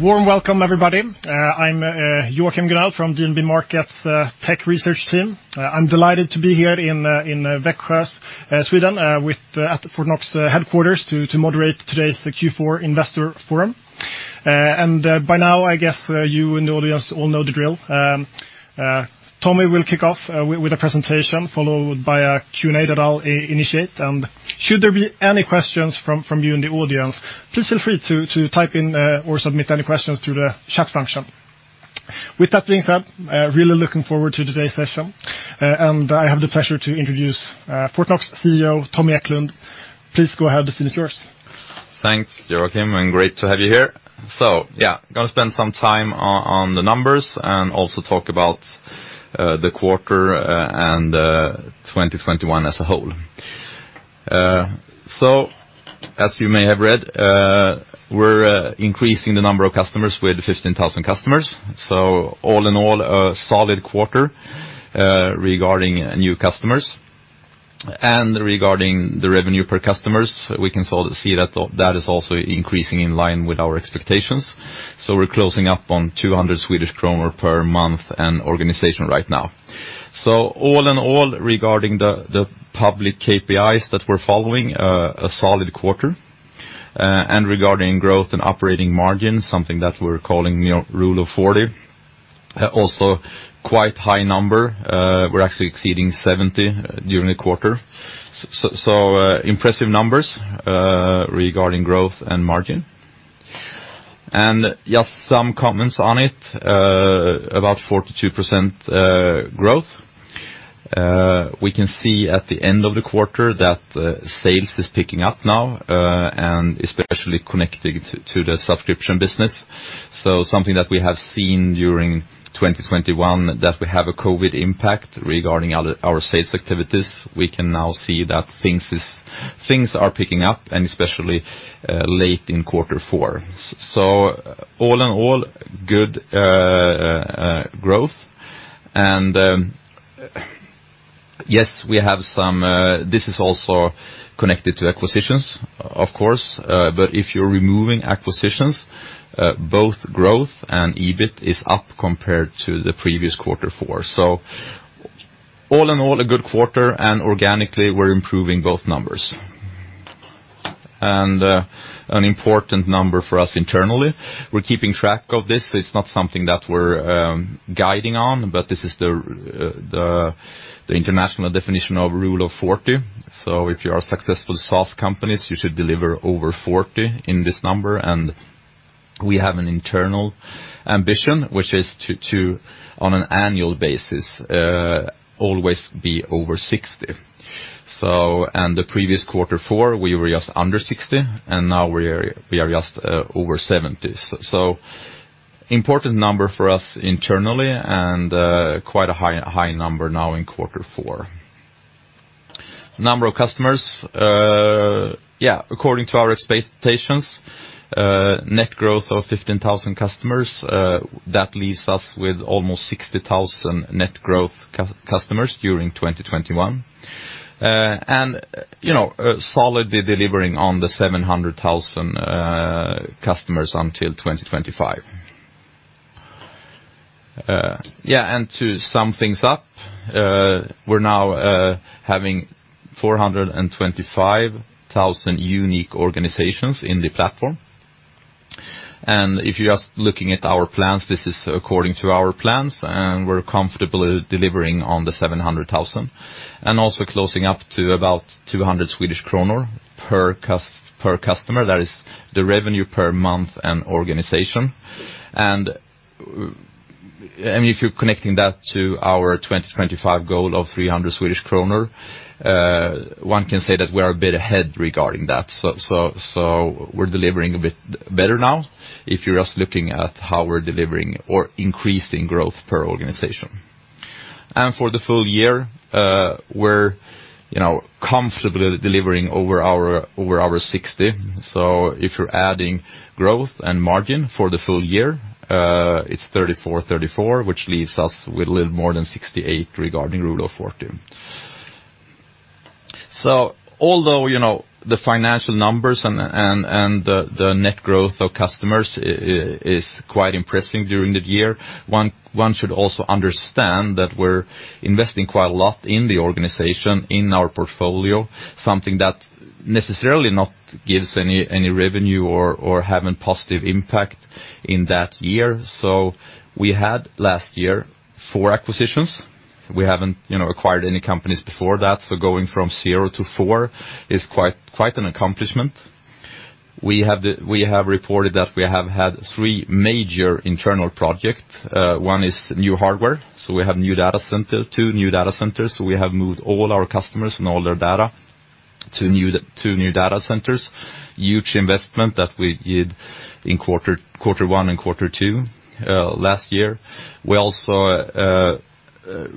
Warm welcome, everybody. I'm Joachim Gunell from DNB Markets tech research team. I'm delighted to be here in Växjö, Sweden, at the Fortnox headquarters to moderate today's Q4 investor forum. By now, I guess, you in the audience all know the drill. Tommy will kick off with a presentation, followed by a Q&A that I'll initiate. Should there be any questions from you in the audience, please feel free to type in or submit any questions through the chat function. With that being said, really looking forward to today's session. I have the pleasure to introduce Fortnox CEO, Tommy Eklund. Please go ahead. The scene is yours. Thanks, Joachim, and great to have you here. Gonna spend some time on the numbers and also talk about the quarter and 2021 as a whole. As you may have read, we're increasing the number of customers. We had 15,000 customers. All in all, a solid quarter regarding new customers. Regarding the revenue per customers, we can sort of see that that is also increasing in line with our expectations. We're closing up on 200 Swedish kronor per month per organization right now. All in all, regarding the public KPIs that we're following, a solid quarter. Regarding growth and operating margin, something that we're calling, you know, Rule of 40, also quite high number. We're actually exceeding 70% during the quarter. Impressive numbers regarding growth and margin. Just some comments on it. About 42% growth. We can see at the end of the quarter that sales is picking up now and especially connected to the subscription business. Something that we have seen during 2021, that we have a COVID impact regarding our sales activities. We can now see that things are picking up and especially late in quarter four. All in all, good growth. Yes, we have some. This is also connected to acquisitions, of course, but if you're removing acquisitions, both growth and EBIT is up compared to the previous quarter four. All in all, a good quarter, and organically, we're improving both numbers. An important number for us internally, we're keeping track of this. It's not something that we're guiding on, but this is the international definition of Rule of 40. If you are a successful SaaS companies, you should deliver over 40 in this number. We have an internal ambition, which is to on an annual basis always be over 60. The previous quarter four, we were just under 60, and now we are just over 70. Important number for us internally and quite a high number now in quarter four. Number of customers according to our expectations, net growth of 15,000 customers, that leaves us with almost 60,000 net growth customers during 2021. You know, solidly delivering on the 700,000 customers until 2025. Yeah, to sum things up, we're now having 425,000 unique organizations in the platform. If you're just looking at our plans, this is according to our plans, and we're comfortably delivering on the 700,000 and also closing up to about 200 Swedish kronor per customer. That is the revenue per month and organization. I mean, if you're connecting that to our 2025 goal of 300 Swedish kronor, one can say that we're a bit ahead regarding that. So we're delivering a bit better now if you're just looking at how we're delivering or increasing growth per organization. For the full year, we're, you know, comfortably delivering over our 60%. So if you're adding growth and margin for the full year, it's 34, which leaves us with a little more than 68% regarding Rule of 40. Although, you know, the financial numbers and the net growth of customers is quite impressing during the year, one should also understand that we're investing quite a lot in the organization, in our portfolio, something that necessarily not gives any revenue or having positive impact in that year. We had last year 4 acquisitions. We haven't, you know, acquired any companies before that, so going from 0 to 4 is quite an accomplishment. We have reported that we have had 3 major internal projects. One is new hardware. We have new data centers, 2 new data centers. We have moved all our customers and all their data to new data centers. Huge investment that we did in quarter one and quarter two last year. We also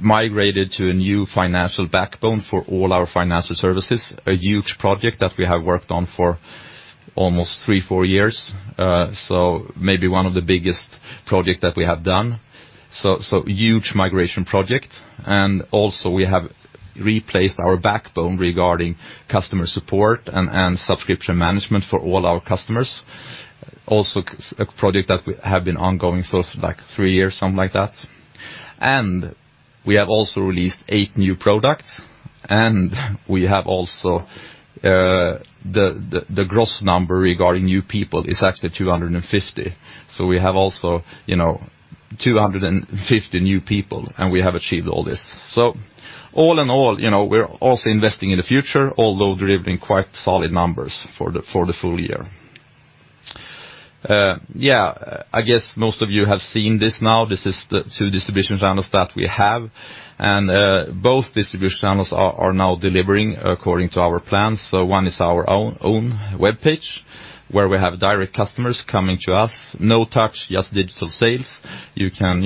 migrated to a new financial backbone for all our financial services, a huge project that we have worked on for almost three, four years, so maybe one of the biggest project that we have done. Huge migration project, and also we have replaced our backbone regarding customer support and subscription management for all our customers. Also a project that we have been ongoing for like three years, something like that. We have also released 8 new products, and we have also the gross number regarding new people is actually 250. We have also 250 new people, and we have achieved all this. All in all, we're also investing in the future, although delivering quite solid numbers for the full year. Yeah, I guess most of you have seen this now. This is the 2 distribution channels that we have. Both distribution channels are now delivering according to our plans. One is our own webpage, where we have direct customers coming to us. No touch, just digital sales. You can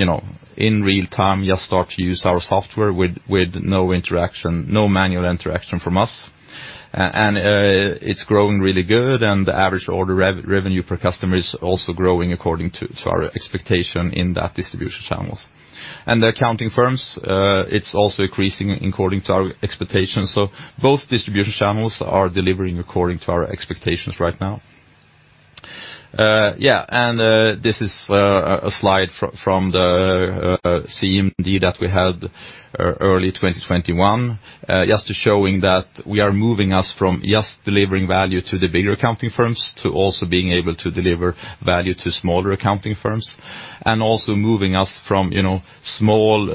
in real time just start to use our software with no interaction, no manual interaction from us. It's growing really good, and the average order revenue per customer is also growing according to our expectation in that distribution channels. The accounting firms, it's also increasing according to our expectations. Both distribution channels are delivering according to our expectations right now. Yeah, this is a slide from the CMD that we had early 2021, just showing that we are moving us from just delivering value to the bigger accounting firms to also being able to deliver value to smaller accounting firms, and also moving us from, you know, small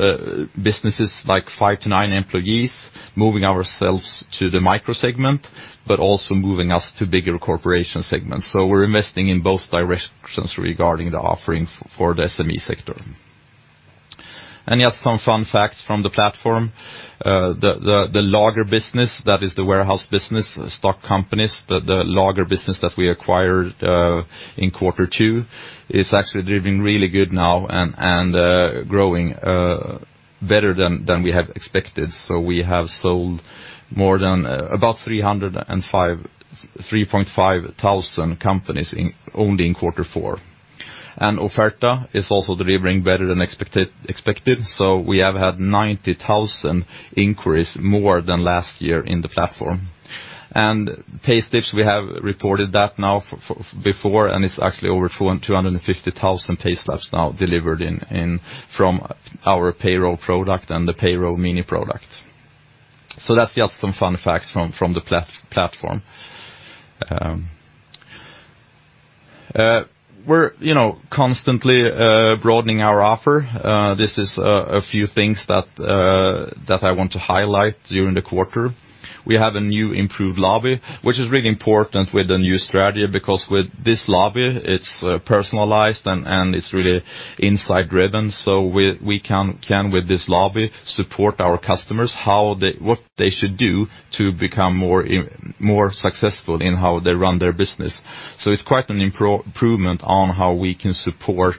businesses, like 5 to 9 employees, moving ourselves to the micro segment, but also moving us to bigger corporation segments. We're investing in both directions regarding the offering for the SME sector. Just some fun facts from the platform. The Lagerbolag business that we acquired in quarter two is actually doing really good now and growing better than we have expected. We have sold more than about 3.5 thousand companies only in quarter four. Offerta is also delivering better than expected, so we have had 90,000 inquiries more than last year in the platform. Pay slips, we have reported that now before, and it's actually over 250,000 pay slips now delivered from our Payroll product and the Payroll Mini product. That's just some fun facts from the platform. We're, you know, constantly broadening our offer. This is a few things that I want to highlight during the quarter. We have a new improved Lobby, which is really important with the new strategy because with this Lobby, it's personalized and it's really insight-driven. We can with this Lobby support our customers what they should do to become more successful in how they run their business. It's quite an improvement on how we can support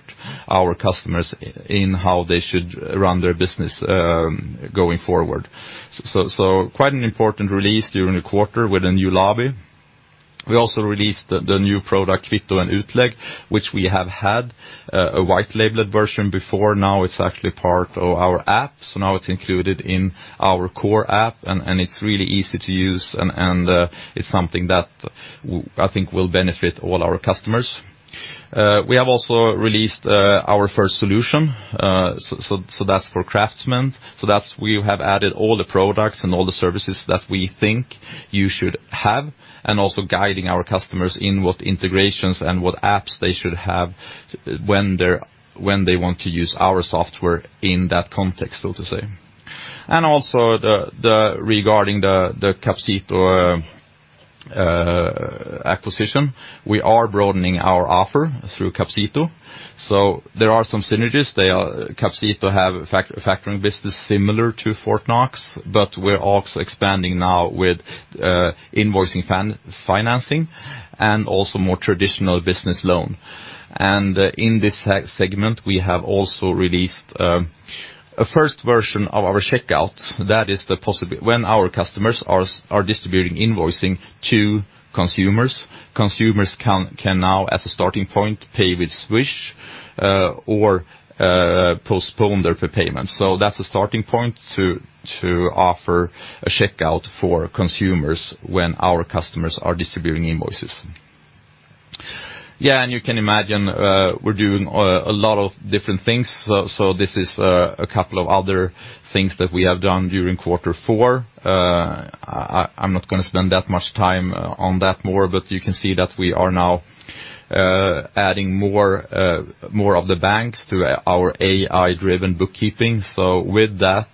our customers in how they should run their business going forward. Quite an important release during the quarter with a new Lobby. We also released the new product, Kvitto och Utlägg, which we have had a white-label version before. Now it's actually part of our app. Now it's included in our core app and it's really easy to use and it's something that I think will benefit all our customers. We have also released our first solution. That's for craftsmen. We have added all the products and all the services that we think you should have, and also guiding our customers in what integrations and what apps they should have when they want to use our software in that context, so to say. Regarding the Capcito acquisition, we are broadening our offer through Capcito. There are some synergies. Capcito have a factoring business similar to Fortnox, but we're also expanding now with invoicing financing and also more traditional business loan. In this segment, we have also released a first version of our Checkout. That is the possibility when our customers are distributing invoicing to consumers. Consumers can now, as a starting point, pay with Swish or postpone their payments. That's the starting point to offer a Checkout for consumers when our customers are distributing invoices. You can imagine we're doing a lot of different things. This is a couple of other things that we have done during quarter four. I'm not gonna spend that much time on that more, but you can see that we are now adding more of the banks to our AI-driven bookkeeping. With that,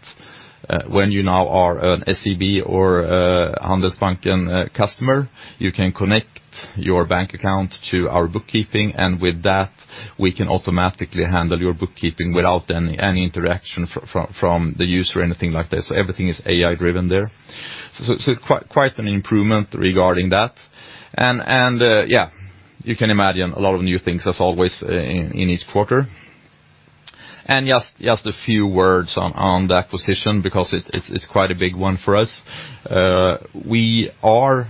when you now are an SEB or a Handelsbanken customer, you can connect your bank account to our bookkeeping. With that, we can automatically handle your bookkeeping without any interaction from the user or anything like this. Everything is AI-driven there. It's quite an improvement regarding that. Yeah, you can imagine a lot of new things as always in each quarter. Just a few words on the acquisition because it's quite a big one for us. We are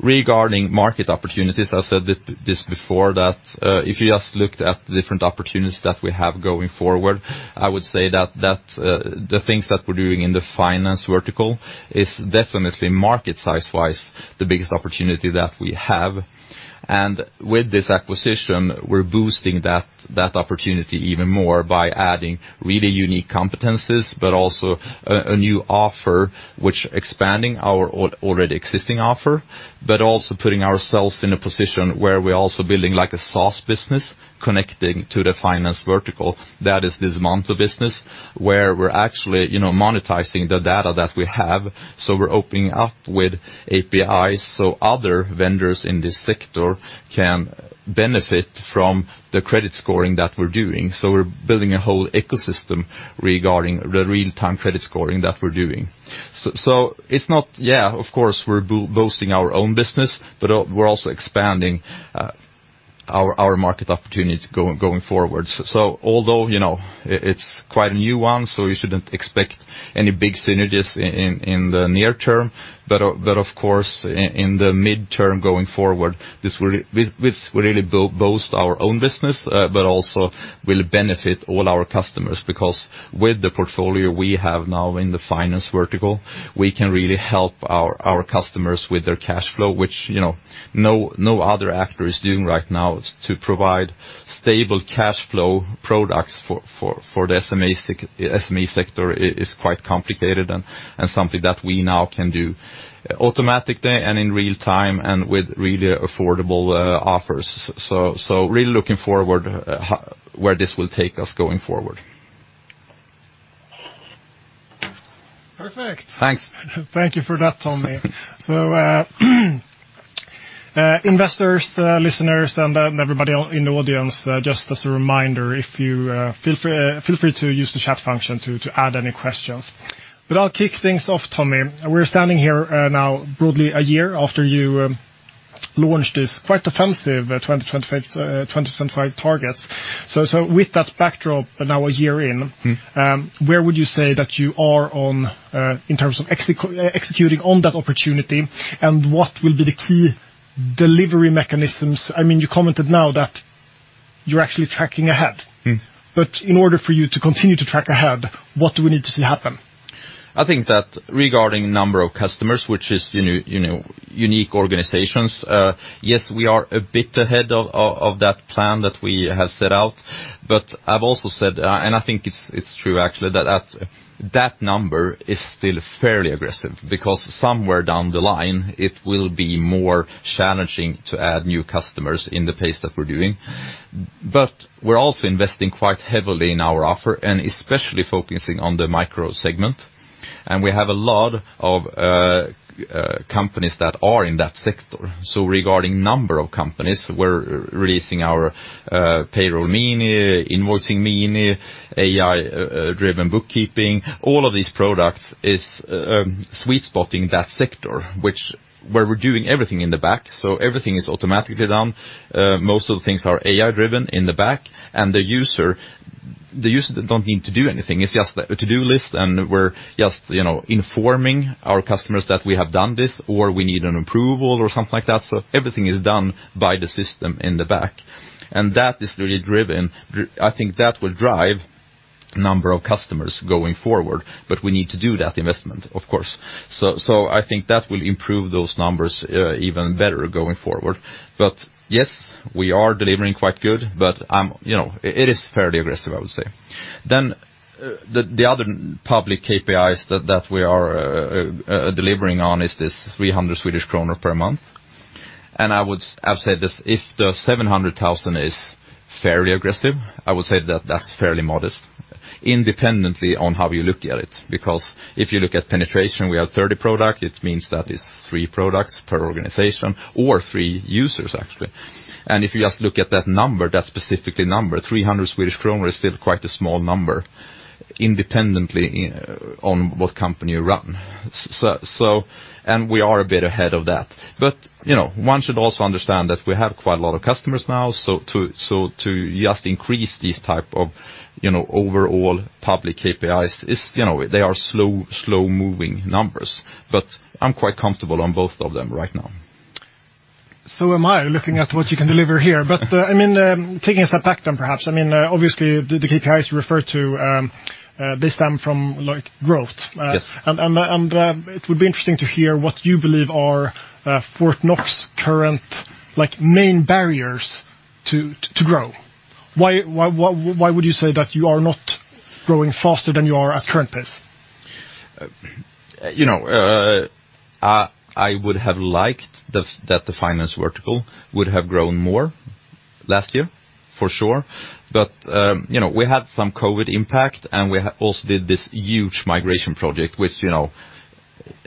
regarding market opportunities. I said this before that if you just looked at the different opportunities that we have going forward, I would say that the things that we're doing in the finance vertical is definitely market size-wise, the biggest opportunity that we have. With this acquisition, we're boosting that opportunity even more by adding really unique competencies, but also a new offer which is expanding our already existing offer, but also putting ourselves in a position where we're also building like a source business connecting to the finance vertical. That is this model of business, where we're actually, you know, monetizing the data that we have. We're opening up with APIs, so other vendors in this sector can benefit from the credit scoring that we're doing. It's not-- Yeah, of course, we're boosting our own business, but we're also expanding our market opportunity going forward. Although, you know, it's quite a new one, so you shouldn't expect any big synergies in the near term. Of course, in the mid-term going forward, this will really boost our own business, but also will benefit all our customers. Because with the portfolio we have now in the finance vertical, we can really help our customers with their cash flow, which, you know, no other actor is doing right now to provide stable cash flow products for the SME sector is quite complicated and something that we now can do automatically and in real-time and with really affordable offers. Really looking forward to where this will take us going forward. Perfect. Thanks. Thank you for that, Tommy. Investors, listeners, and everybody in the audience, just as a reminder, if you feel free to use the chat function to add any questions. I'll kick things off, Tommy. We're standing here now broadly a year after you launched this quite offensive 2025 targets. With that backdrop and now a year in- Mm-hmm Where would you say that you are on in terms of executing on that opportunity? What will be the key delivery mechanisms? I mean, you commented now that you're actually tracking ahead. Mm-hmm. In order for you to continue to track ahead, what do we need to see happen? I think that regarding number of customers, which is unique organizations, yes, we are a bit ahead of that plan that we have set out. I've also said, and I think it's true, actually, that that number is still fairly aggressive because somewhere down the line, it will be more challenging to add new customers in the pace that we're doing. We're also investing quite heavily in our offer and especially focusing on the micro segment. We have a lot of companies that are in that sector. Regarding number of companies, we're releasing our payroll mini, invoicing mini, AI driven bookkeeping. All of these products is sweet spotting that sector, where we're doing everything in the back, so everything is automatically done. Most of the things are AI-driven in the back, and the user don't need to do anything. It's just a To-Do list, and we're just, you know, informing our customers that we have done this or we need an approval or something like that. Everything is done by the system in the back. That is really driven. I think that will drive number of customers going forward, but we need to do that investment, of course. I think that will improve those numbers even better going forward. Yes, we are delivering quite good, but, you know, it is fairly aggressive, I would say. The other public KPIs that we are delivering on is this 300 Swedish kronor per month. I've said this, if the 700,000 is fairly aggressive, I would say that that's fairly modest independent of how you look at it. Because if you look at penetration, we have 30 products. It means that it's three products per organization or three users, actually. If you just look at that number, that specific number, 300 Swedish kronor is still quite a small number independent of what company you run. We are a bit ahead of that. But, you know, one should also understand that we have quite a lot of customers now. So to just increase these types of, you know, overall public KPIs is, you know, they are slow-moving numbers. But I'm quite comfortable on both of them right now. I am looking at what you can deliver here. I mean, taking a step back then, perhaps. I mean, obviously, the KPIs you refer to, they stem from like growth. Yes. It would be interesting to hear what you believe are Fortnox's current, like, main barriers to grow. Why would you say that you are not growing faster than you are at current pace? You know, I would have liked that the finance vertical would have grown more last year, for sure. You know, we had some COVID impact, and we also did this huge migration project, which, you know,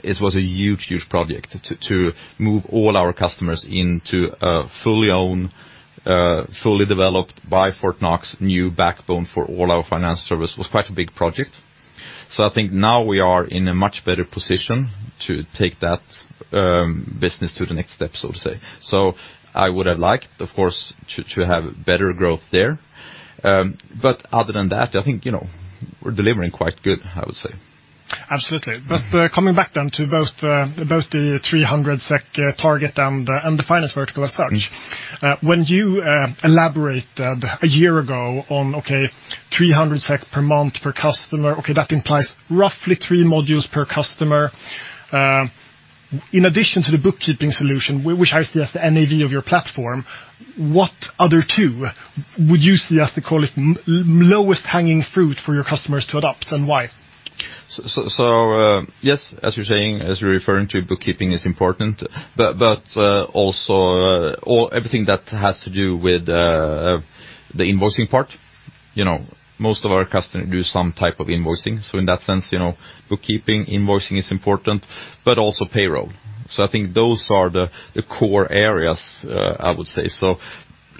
it was a huge project to move all our customers into a fully owned, fully developed by Fortnox new backbone for all our financial service was quite a big project. I think now we are in a much better position to take that business to the next step, so to say. I would have liked, of course, to have better growth there. Other than that, I think, you know, we're delivering quite good, I would say. Absolutely. Coming back to both the 300 SEK target and the finance vertical as such. When you elaborated a year ago on okay, 300 SEK per month per customer, okay, that implies roughly three modules per customer. In addition to the bookkeeping solution, which I see as the NAV of your platform, what other two would you see as the, call it, lowest-hanging fruit for your customers to adopt and why? Yes, as you're saying, as you're referring to, bookkeeping is important, but also everything that has to do with the invoicing part. You know, most of our customers do some type of invoicing. In that sense, you know, bookkeeping, invoicing is important, but also payroll. I think those are the core areas I would say.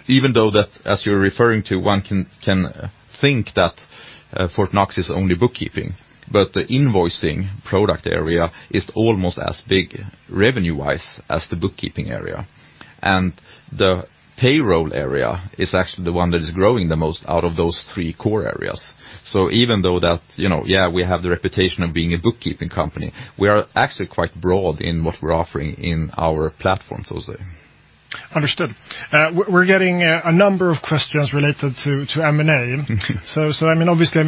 Even though that as you're referring to, one can think that Fortnox is only bookkeeping, but the invoicing product area is almost as big revenue-wise as the bookkeeping area. The payroll area is actually the one that is growing the most out of those three core areas. Even though that, you know, yeah, we have the reputation of being a bookkeeping company, we are actually quite broad in what we're offering in our platform, so to say. Understood. We're getting a number of questions related to M&A. Mm-hmm. I mean, obviously,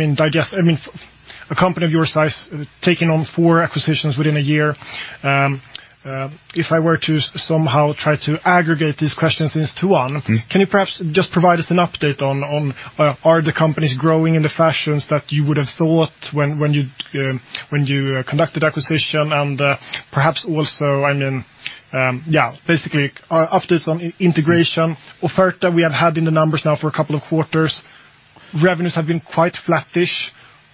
a company of your size taking on four acquisitions within a year, if I were to somehow try to aggregate these questions into one. Mm-hmm. Can you perhaps just provide us an update on, are the companies growing in the fashion that you would have thought when you conducted acquisition and, perhaps also, I mean, yeah. Basically, after some integration, Offerta we have had in the numbers now for a couple of quarters, revenues have been quite flattish.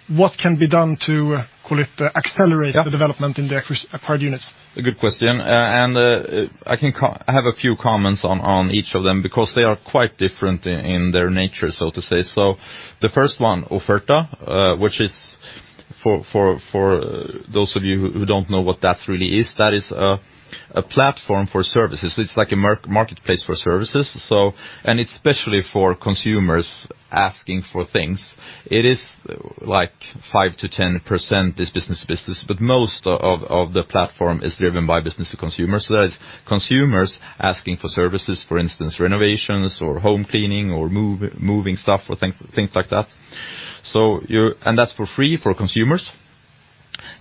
What can be done to, call it, accelerate. Yeah. the development in the acquired units? A good question. I have a few comments on each of them because they are quite different in their nature, so to say. The first one, Offerta, which is for those of you who don't know what that really is, that is a platform for services. It's like a marketplace for services. Especially for consumers asking for things. It is like 5%-10% is business to business, but most of the platform is driven by business to consumers. That is consumers asking for services, for instance, renovations or home cleaning or moving stuff or things like that. That's for free for consumers.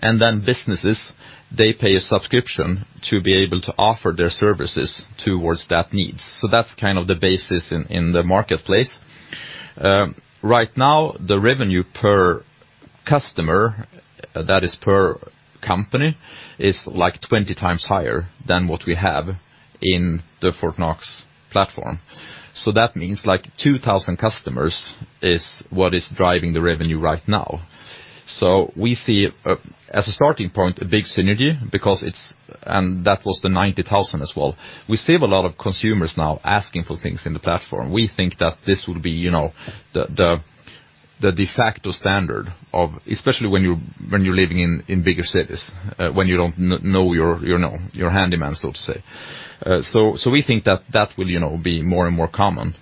Then businesses, they pay a subscription to be able to offer their services towards that needs. That's kind of the basis in the marketplace. Right now, the revenue per customer, that is per company, is like 20 times higher than what we have in the Fortnox platform. That means like 2,000 customers is what is driving the revenue right now. We see, as a starting point, a big synergy because it's and that was the 90,000 as well. We save a lot of consumers now asking for things in the platform. We think that this will be, you know, the de facto standard of especially when you're living in bigger cities, when you don't know your, you know, your handyman, so to say. We think that that will, you know, be more and more common.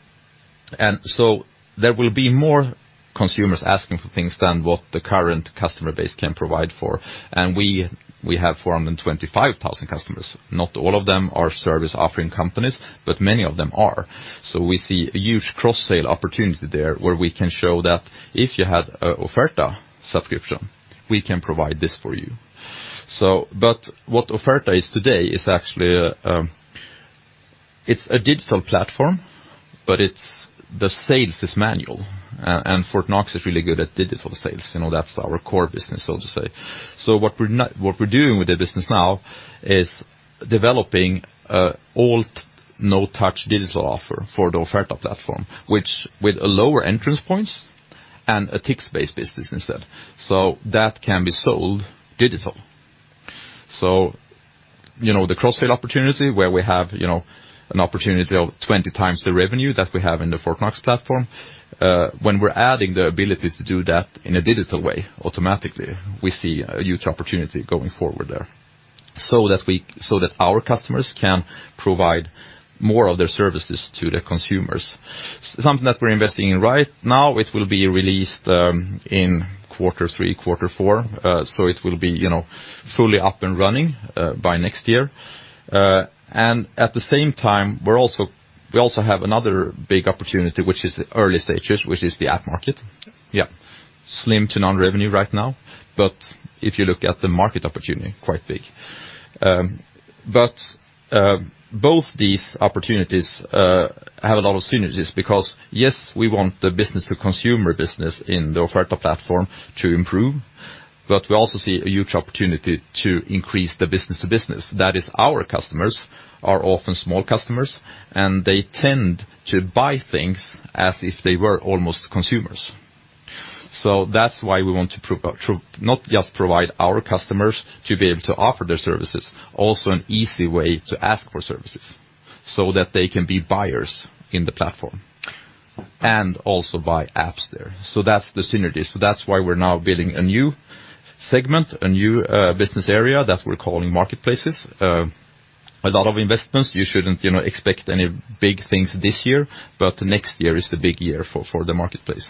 There will be more consumers asking for things than what the current customer base can provide for. We have 425,000 customers. Not all of them are service-offering companies, but many of them are. We see a huge cross-sale opportunity there where we can show that if you had a Offerta subscription, we can provide this for you. What Offerta is today is actually a digital platform, but the sales is manual. Fortnox is really good at digital sales. You know, that's our core business, so to say. What we're doing with the business now is developing a no-touch digital offer for the Offerta platform, which with lower entry points and a task-based business instead. That can be sold digital. You know, the cross-sale opportunity where we have, you know, an opportunity of 20 times the revenue that we have in the Fortnox platform, when we're adding the ability to do that in a digital way automatically, we see a huge opportunity going forward there. That our customers can provide more of their services to the consumers. Something that we're investing in right now, it will be released in quarter three, quarter four. It will be, you know, fully up and running by next year. At the same time, we also have another big opportunity, which is the early stages, which is the app market. Yeah. Slim to no revenue right now. If you look at the market opportunity, quite big. Both these opportunities have a lot of synergies because, yes, we want the business to consumer business in the Offerta platform to improve, but we also see a huge opportunity to increase the business to business. That is, our customers are often small customers, and they tend to buy things as if they were almost consumers. That's why we want to provide our customers to be able to offer their services, also an easy way to ask for services so that they can be buyers in the platform, and also buy apps there. That's the synergy. That's why we're now building a new segment, a new business area that we're calling marketplaces. A lot of investments, you shouldn't, you know, expect any big things this year, but next year is the big year for the marketplace.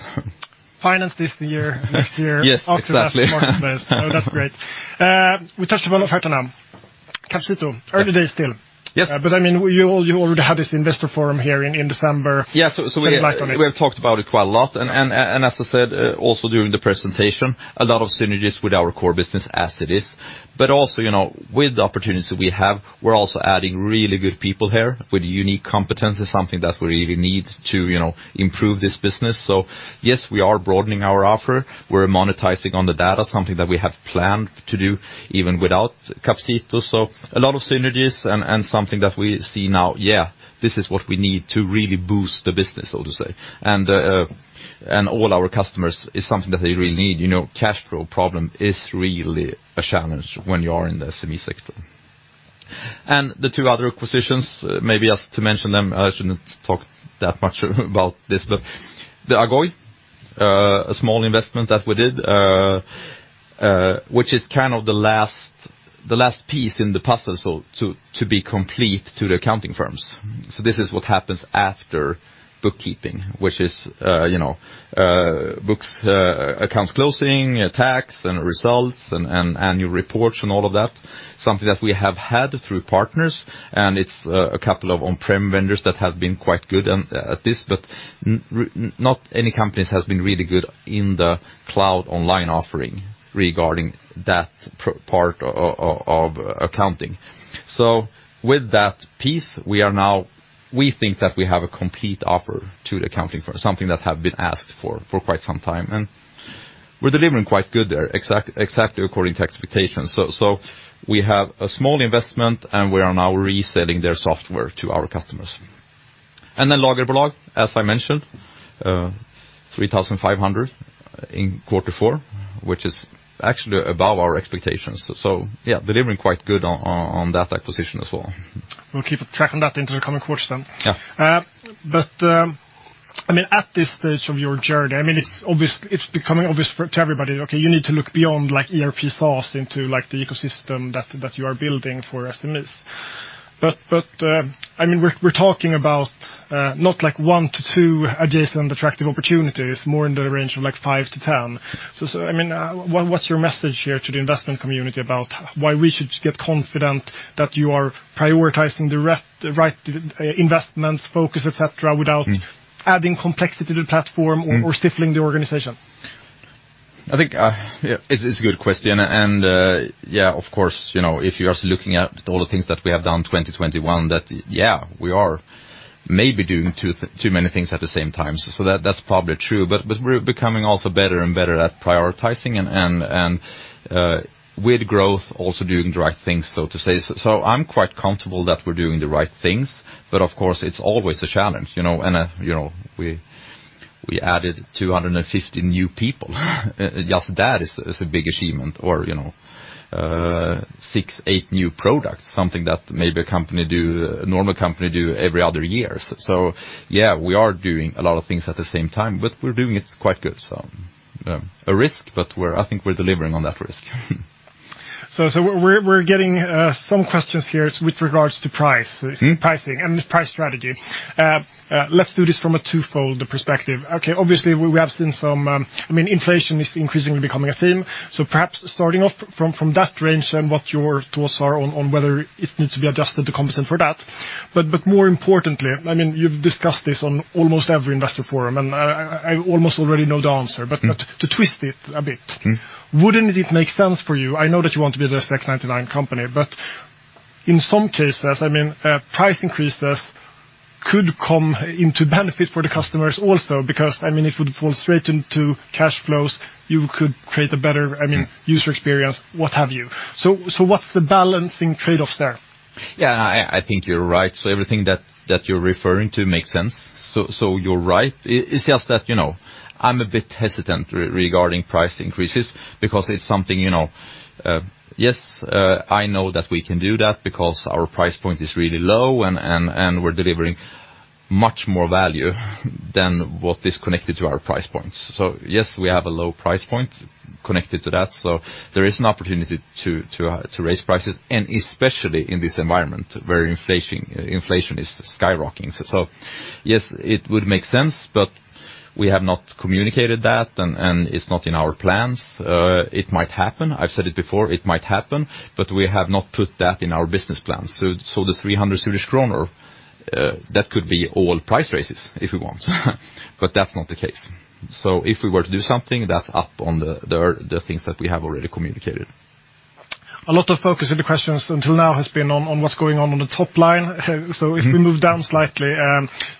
Finance this year, next year. Yes, exactly. After that, marketplace. No, that's great. We touched upon Offerta now. Capcito. Early days still. Yes. I mean, you already had this investor forum here in December. Yeah. Shed light on it. We have talked about it quite a lot. As I said, also during the presentation, a lot of synergies with our core business as it is. Also, you know, with the opportunities that we have, we're also adding really good people here with unique competencies, something that we really need to, you know, improve this business. Yes, we are broadening our offer. We're monetizing on the data, something that we have planned to do even without Capcito. A lot of synergies and something that we see now, yeah, this is what we need to really boost the business, so to say. All our customers, it's something that they really need. You know, cash flow problem is really a challenge when you are in the SME sector. The two other acquisitions, maybe just to mention them, I shouldn't talk that much about this. The Boardeaser, a small investment that we did, which is kind of the last piece in the puzzle, so to be complete to the accounting firms. This is what happens after bookkeeping, which is, you know, books, accounts closing, tax, and results, and annual reports and all of that. Something that we have had through partners, and it's a couple of on-prem vendors that have been quite good at this. Not any companies has been really good in the cloud online offering regarding that part of accounting. With that piece, we are now we think that we have a complete offer to the accounting firm, something that have been asked for quite some time. We're delivering quite good there, exactly according to expectations. We have a small investment, and we are now reselling their software to our customers. Lagerbolag, as I mentioned, 3,500 in quarter four, which is actually above our expectations. Yeah, delivering quite good on that acquisition as well. We'll keep tracking that into the coming quarters then. Yeah. At this stage of your journey, I mean, it's becoming obvious to everybody, okay, you need to look beyond like ERP SaaS into like the ecosystem that you are building for SMEs. I mean, we're talking about not like 1-2 adjacent attractive opportunities, more in the range of like 5-10. I mean, what is your message here to the investment community about why we should get confident that you are prioritizing the right investments, focus, et cetera, without adding complexity to the platform or stifling the organization? I think, yeah, it's a good question. Yeah, of course, you know, if you are looking at all the things that we have done in 2021, that yeah, we are maybe doing too many things at the same time. That's probably true. We're becoming also better and better at prioritizing and, with growth, also doing the right things, so to say. I'm quite comfortable that we're doing the right things. Of course, it's always a challenge, you know. You know, we added 250 new people. Just that is a big achievement, you know, 6-8 new products, something that maybe a normal company does every other year. Yeah, we are doing a lot of things at the same time, but we're doing it quite good. A risk, but I think we're delivering on that risk. We're getting some questions here with regards to price. Mm-hmm. Pricing and price strategy. Let's do this from a twofold perspective. Okay, obviously, we have seen some, I mean, inflation is increasingly becoming a theme. Perhaps starting off from that range then what your thoughts are on whether it needs to be adjusted to compensate for that. More importantly, I mean, you've discussed this on almost every investor forum, and I almost already know the answer. Mm-hmm. To twist it a bit. Mm-hmm. Wouldn't it make sense for you? I know that you want to be the 99 company, but in some cases, I mean, price increases could come to benefit for the customers also, because, I mean, it would fall straight into cash flows. You could create a better, I mean, user experience, what have you. What's the balancing trade-offs there? Yeah, I think you're right. Everything that you're referring to makes sense. You're right. It's just that, you know, I'm a bit hesitant regarding price increases because it's something, you know, I know that we can do that because our price point is really low and we're delivering much more value than what is connected to our price points. Yes, we have a low price point connected to that. There is an opportunity to raise prices, and especially in this environment where inflation is skyrocketing. Yes, it would make sense, but we have not communicated that, and it's not in our plans. It might happen. I've said it before. It might happen, but we have not put that in our business plan. 300 Swedish kronor that could be all price raises if we want. That's not the case. If we were to do something, that's up on the things that we have already communicated. A lot of focus in the questions until now has been on what's going on the top line. Mm-hmm. If we move down slightly,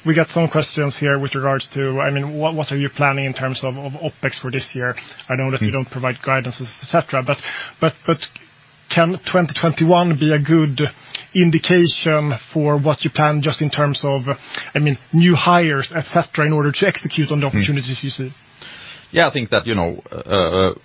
we got some questions here with regards to, I mean, what are you planning in terms of OPEX for this year? I know that you don't provide guidance, et cetera. But can 2021 be a good indication for what you plan just in terms of, I mean, new hires, et cetera, in order to execute on the opportunities you see? Yeah, I think that, you know,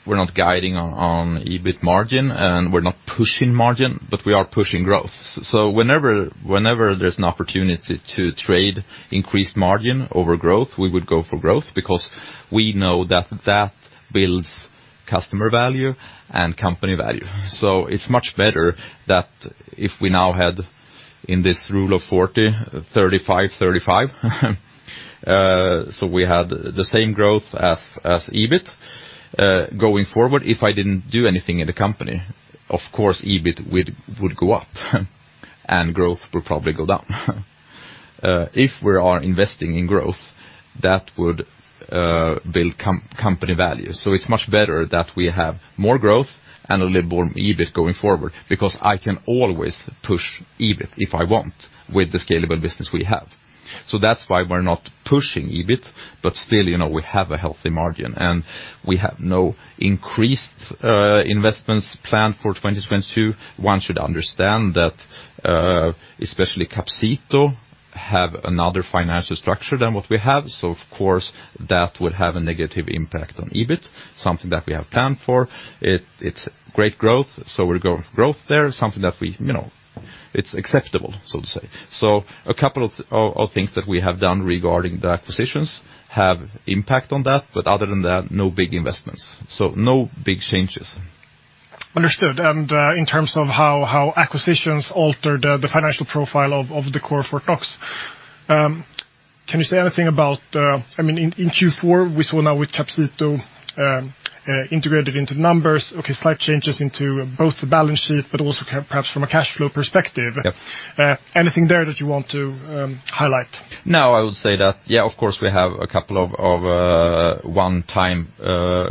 we're not guiding on EBIT margin, and we're not pushing margin, but we are pushing growth. Whenever there's an opportunity to trade increased margin over growth, we would go for growth because we know that that builds customer value and company value. It's much better that if we now had in this Rule of 40, 35%-35%. We had the same growth as EBIT. Going forward, if I didn't do anything in the company, of course, EBIT would go up, and growth would probably go down. If we are investing in growth, that would build company value. It's much better that we have more growth and a little more EBIT going forward because I can always push EBIT if I want with the scalable business we have. That's why we're not pushing EBIT, but still, you know, we have a healthy margin, and we have no increased investments planned for 2022. One should understand that, especially Capcito have another financial structure than what we have. Of course, that would have a negative impact on EBIT, something that we have planned for. It's great growth, so we'll go with growth there, something that we, you know, it's acceptable, so to say. A couple of things that we have done regarding the acquisitions have impact on that, but other than that, no big investments. No big changes. Understood. In terms of how acquisitions alter the financial profile of the core Fortnox, can you say anything about? I mean, in Q4, we saw now with Capcito integrated into numbers. Slight changes in both the balance sheet, but also perhaps from a cash flow perspective. Yep. Anything there that you want to highlight? No. I would say that, yeah, of course, we have a couple of one-time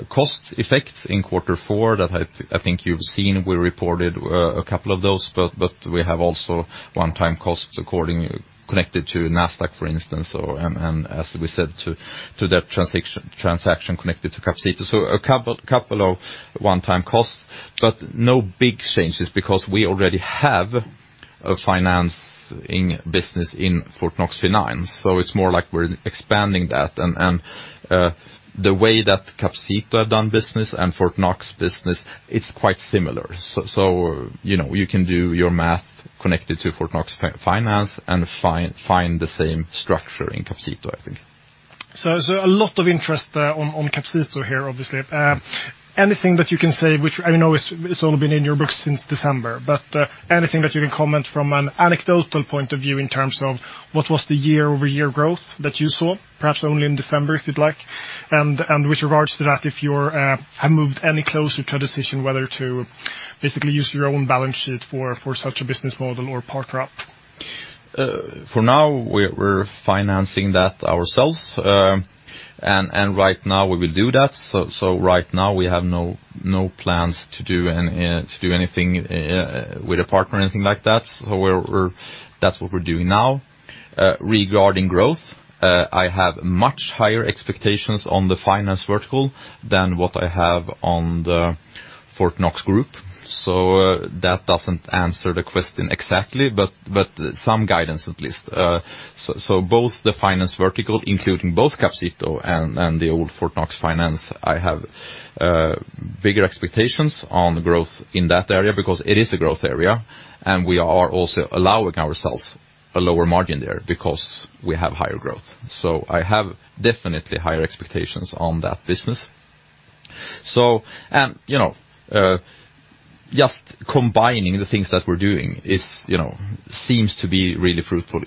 cost effects in quarter four that I think you've seen. We reported a couple of those, but we have also one-time costs connected to Nasdaq, for instance, or, and as we said to that transaction connected to Capcito. A couple of one-time costs, but no big changes because we already have a financing business in Fortnox Finans, so it's more like we're expanding that. The way that Capcito have done business and Fortnox business, it's quite similar. You know, you can do your math connected to Fortnox Finans and find the same structure in Capcito, I think. A lot of interest on Capcito here, obviously. Anything that you can say. I know it's all been in your books since December, but anything that you can comment from an anecdotal point of view in terms of what was the year-over-year growth that you saw, perhaps only in December, if you'd like, and with regards to that, if you've moved any closer to a decision whether to basically use your own balance sheet for such a business model or partner up? For now, we're financing that ourselves, and right now we will do that. Right now we have no plans to do anything with a partner or anything like that. That's what we're doing now. Regarding growth, I have much higher expectations on the finance vertical than what I have on the Fortnox group. That doesn't answer the question exactly, but some guidance at least. Both the finance vertical, including both Capcito and the old Fortnox Finans, I have bigger expectations on growth in that area because it is a growth area, and we are also allowing ourselves a lower margin there because we have higher growth. I have definitely higher expectations on that business. You know, just combining the things that we're doing is, you know, seems to be really fruitful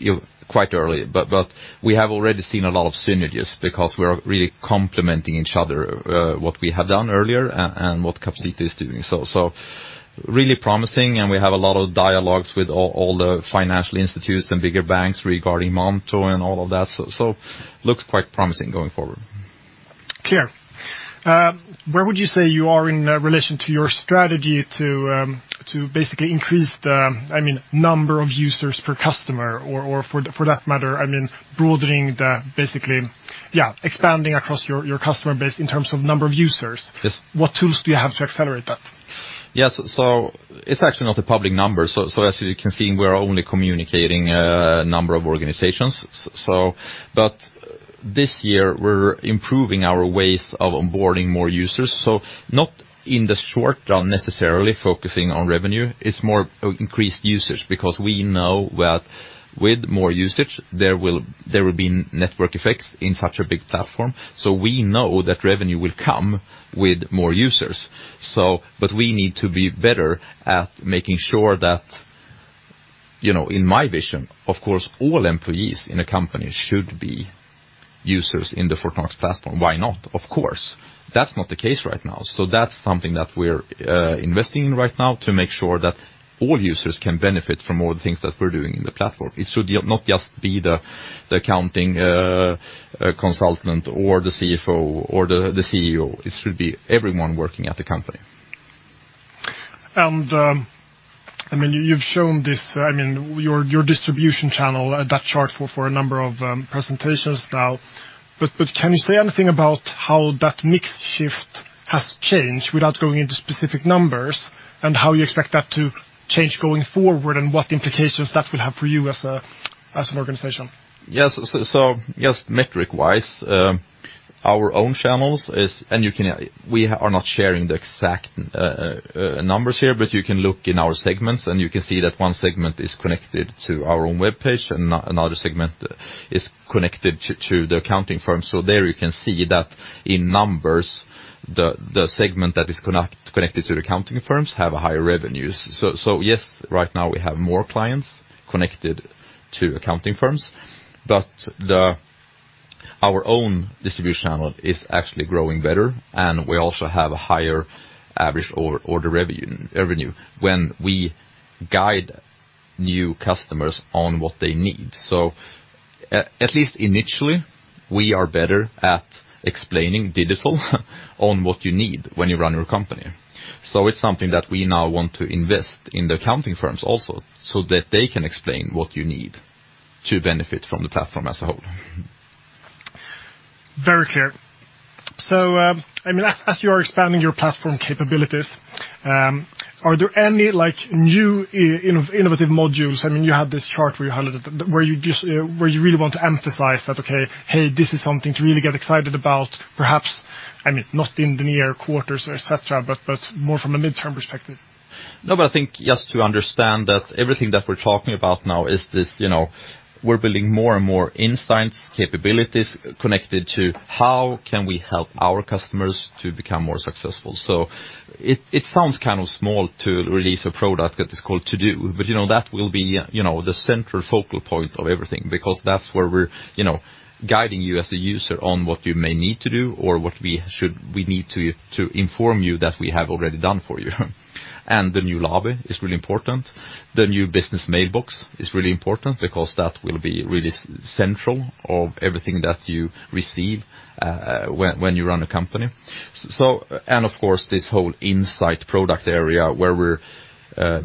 quite early. But we have already seen a lot of synergies because we're really complementing each other, what we have done earlier and what Capcito is doing. Really promising, and we have a lot of dialogues with all the financial institutions and bigger banks regarding Monto and all of that. Looks quite promising going forward. Clear. Where would you say you are in relation to your strategy to basically increase the, I mean, number of users per customer or for that matter, I mean, broadening the basically yeah, expanding across your customer base in terms of number of users? Yes. What tools do you have to accelerate that? Yes. It's actually not a public number. As you can see, we're only communicating a number of organizations. This year, we're improving our ways of onboarding more users. Not in the short term necessarily focusing on revenue. It's more increased users because we know that with more usage there will be network effects in such a big platform. We know that revenue will come with more users. We need to be better at making sure that, you know, in my vision, of course, all employees in a company should be users in the Fortnox platform. Why not? Of course. That's not the case right now. That's something that we're investing in right now to make sure that all users can benefit from all the things that we're doing in the platform. It should not just be the accounting consultant or the CFO or the CEO. It should be everyone working at the company. I mean, you've shown this, I mean, your distribution channel, that chart for a number of presentations now. Can you say anything about how that mix shift has changed without going into specific numbers and how you expect that to change going forward, and what implications that will have for you as an organization. Yes. Metric-wise, our own channels, and you can—we are not sharing the exact numbers here, but you can look in our segments, and you can see that one segment is connected to our own webpage and another segment is connected to the accounting firm. There you can see that in numbers, the segment that is connected to the accounting firms have a higher revenues. Yes, right now we have more clients connected to accounting firms, but our own distribution channel is actually growing better and we also have a higher average order revenue when we guide new customers on what they need. At least initially, we are better at explaining digitally what you need when you run your company. It's something that we now want to invest in the accounting firms also so that they can explain what you need to benefit from the platform as a whole. Very clear. I mean, as you are expanding your platform capabilities, are there any, like, new innovative modules? I mean, you have this chart where you really want to emphasize that this is something to really get excited about, perhaps, I mean, not in the near quarters, et cetera, but more from a midterm perspective. No, but I think just to understand that everything that we're talking about now is this, you know, we're building more and more insights, capabilities connected to how can we help our customers to become more successful. It sounds kind of small to release a product that is called To-Do, but, you know, that will be, you know, the central focal point of everything because that's where we're, you know, guiding you as a user on what you may need to do or what we need to inform you that we have already done for you. The new Lobby is really important. The new Business Mailbox is really important because that will be really central of everything that you receive when you run a company. Of course, this whole insight product area where we're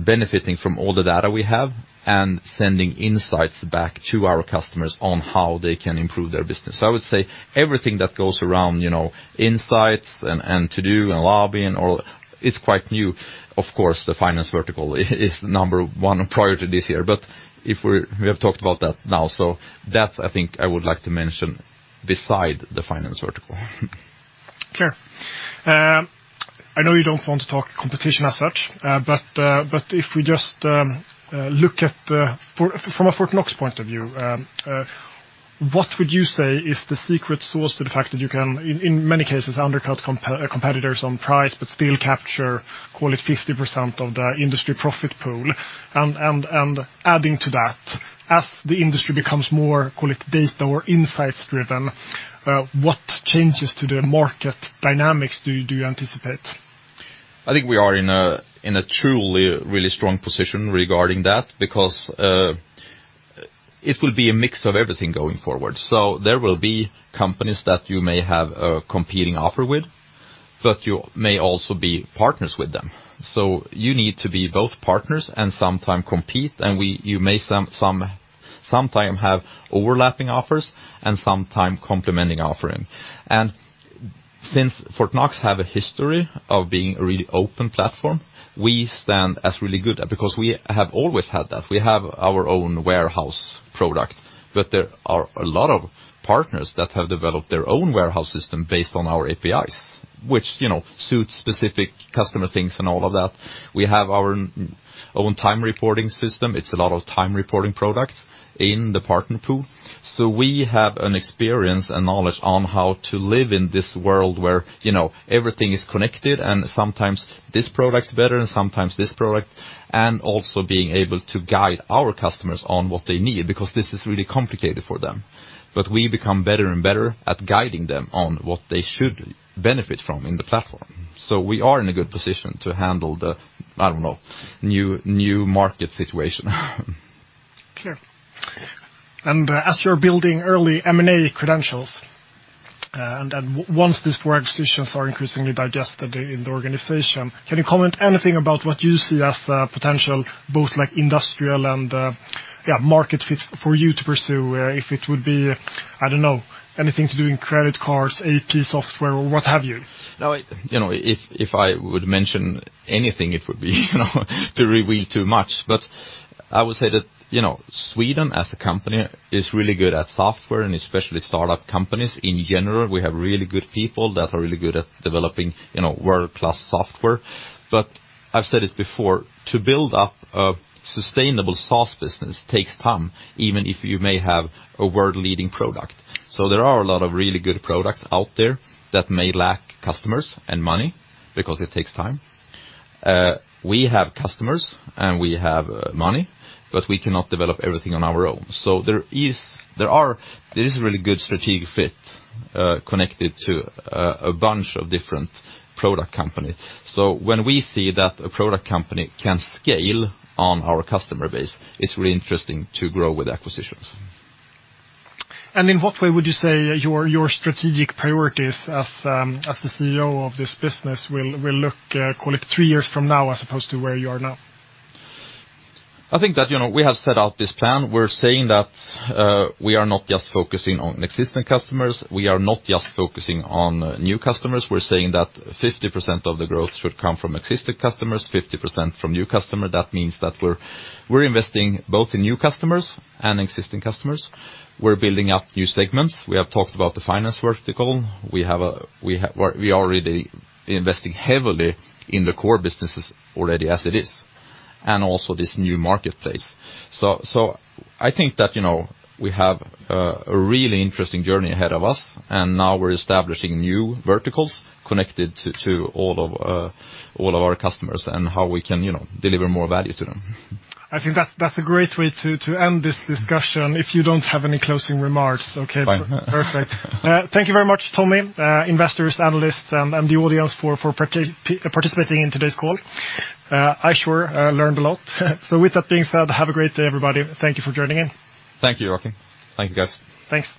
benefiting from all the data we have and sending insights back to our customers on how they can improve their business. I would say everything that goes around, you know, insights and To-Do and Lobby and all, it's quite new. Of course, the finance vertical is number one priority this year. But if we have talked about that now, so that's, I think, I would like to mention beside the finance vertical. Clear. I know you don't want to talk competition as such, but if we just look at from a Fortnox point of view, what would you say is the secret sauce to the fact that you can in many cases undercut competitors on price, but still capture, call it 50% of the industry profit pool? Adding to that, as the industry becomes more call it data or insights-driven, what changes to the market dynamics do you anticipate? I think we are in a truly really strong position regarding that because it will be a mix of everything going forward. There will be companies that you may have a competing offer with, but you may also be partners with them. You need to be both partners and sometime compete. You may sometime have overlapping offers and sometime complementing offering. Since Fortnox have a history of being a really open platform, we stand as really good at because we have always had that. We have our own Lagerbolag product, but there are a lot of partners that have developed their own Lagerbolag system based on our APIs, which you know suits specific customer things and all of that. We have our own time reporting system. It's a lot of time reporting products in the partner pool. We have an experience and knowledge on how to live in this world where, you know, everything is connected, and sometimes this product's better, and sometimes this product, and also being able to guide our customers on what they need because this is really complicated for them. We become better and better at guiding them on what they should benefit from in the platform. We are in a good position to handle the, I don't know, new market situation. Clear. As you're building early M&A credentials, once these four acquisitions are increasingly digested in the organization, can you comment anything about what you see as potential, both like industrial and market fit for you to pursue, if it would be, I don't know, anything to do in credit cards, AP software or what have you? No, you know, if I would mention anything, it would be, you know, to reveal too much. I would say that, you know, Sweden as a company is really good at software and especially startup companies in general. We have really good people that are really good at developing, you know, world-class software. I've said it before, to build up a sustainable SaaS business takes time, even if you may have a world leading product. There are a lot of really good products out there that may lack customers and money because it takes time. We have customers and we have money, but we cannot develop everything on our own. There is a really good strategic fit connected to a bunch of different product companies. When we see that a product company can scale on our customer base, it's really interesting to grow with acquisitions. In what way would you say your strategic priorities as the CEO of this business will look, call it three years from now as opposed to where you are now? I think that, you know, we have set out this plan. We're saying that we are not just focusing on existing customers, we are not just focusing on new customers. We're saying that 50% of the growth should come from existing customers, 50% from new customer. That means that we're investing both in new customers and existing customers. We're building up new segments. We have talked about the finance vertical. We are already investing heavily in the core businesses already as it is, and also this new marketplace. I think that, you know, we have a really interesting journey ahead of us, and now we're establishing new verticals connected to all of our customers and how we can, you know, deliver more value to them. I think that that's a great way to end this discussion if you don't have any closing remarks. Okay. Fine. Perfect. Thank you very much, Tommy. Investors, analysts, and the audience for participating in today's call. I sure learned a lot. With that being said, have a great day, everybody. Thank you for joining in. Thank you, Joachim. Thank you, guys. Thanks.